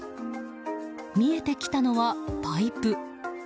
見えてきたのは、パイプ。